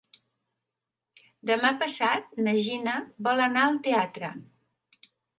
Demà passat na Gina vol anar al teatre.